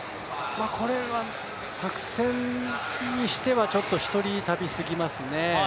これは作戦にしては、ちょっと１人旅すぎますね。